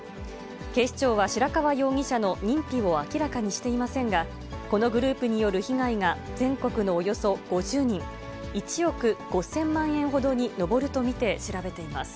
警視庁は、白川容疑者の認否を明らかにしていませんが、このグループによる被害が全国のおよそ５０人、１億５０００万円ほどに上ると見て調べています。